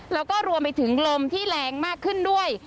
แล้วก็รวมไปถึงลมที่แรงมากขึ้นด้วย